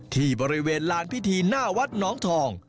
ที่บริเวณลานพิธีหน้าวัดน้องทอง